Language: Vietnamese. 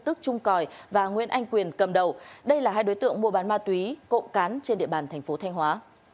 tức trung còi và nguyễn anh quyền cầm đầu đây là hai đối tượng mua bán ma túy cộng cán trên địa bàn thành phố thanh hóa